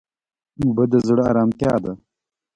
اوبه د زړه ارامتیا ده.